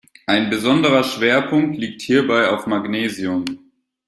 Ein besonderer Schwerpunkt liegt hierbei auf Magnesium.